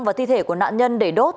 vào thi thể của nạn nhân để đốt